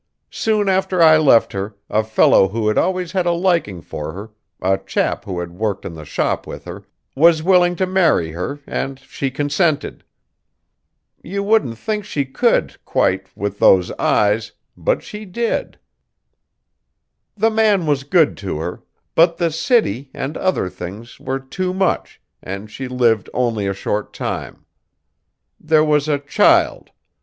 Soon after I left her, a fellow who had always had a liking for her, a chap who had worked in the shop with her, was willing to marry her and she consented. You wouldn't think she could, quite, with those eyes, but she did! The man was good to her; but the city, and other things, were too much, and she lived only a short time. There was a child!